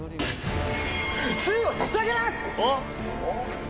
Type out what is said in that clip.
スーを差し上げます！